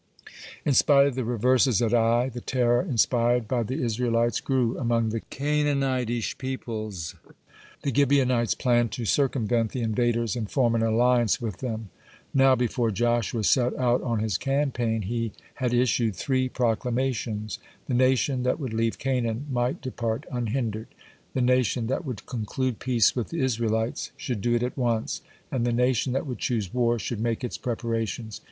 (31) In spite of the reverses at Ai, (32) the terror inspired by the Israelites grew among the Canaanitish peoples. The Gibeonites planned to circumvent the invaders, and form an alliance with them. Now, before Joshua set out on his campaign, he had issued three proclamations: the nation that would leave Canaan might depart unhindered; the nation that would conclude peace with the Israelites, should do it at once; and the nation that would choose war, should make its preparations.